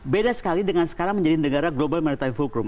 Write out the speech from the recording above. beda sekali dengan sekarang menjadi negara global maritime forum